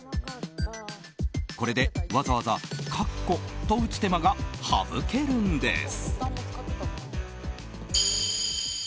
これで、わざわざかっこと打つ手間が省けるんです。